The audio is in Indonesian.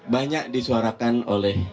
banyak disuarakan oleh